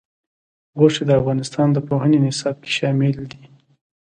غوښې د افغانستان د پوهنې نصاب کې شامل دي.